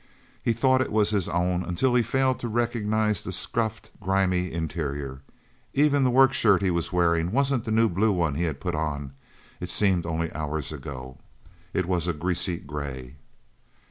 He thought it was his own until he failed to recognize the scuffed, grimy interior. Even the workshirt he was wearing wasn't the new blue one he had put on, it seemed only hours ago. It was a greasy grey.